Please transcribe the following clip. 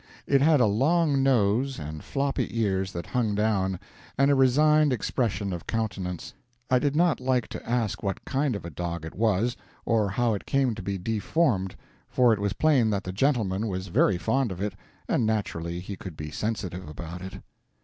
It had a long nose, and floppy ears that hung down, and a resigned expression of countenance. I did not like to ask what kind of a dog it was, or how it came to be deformed, for it was plain that the gentleman was very fond of it, and naturally he could be sensitive about it.